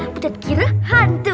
budak kira hantu